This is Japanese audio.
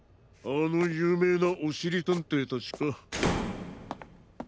あのゆうめいなおしりたんていたちか。